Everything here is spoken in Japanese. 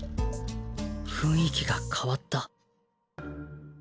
雰囲気が変わった